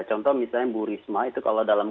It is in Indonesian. contoh misalnya bu risma itu kalau dalam